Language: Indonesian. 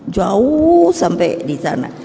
jauh sampai di sana